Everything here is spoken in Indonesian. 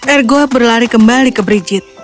ergo berlari kembali ke brigit